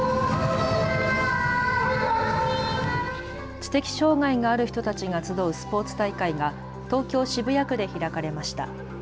知的障害がある人たちが集うスポーツ大会が東京渋谷区で開かれました。